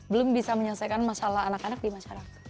belum bisa menyelesaikan masalah anak anak di masyarakat